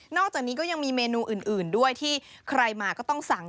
อกจากนี้ก็ยังมีเมนูอื่นด้วยที่ใครมาก็ต้องสั่ง